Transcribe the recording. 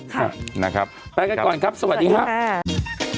ค่ะนะครับแปลกกันก่อนครับสวัสดีค่ะสวัสดีค่ะ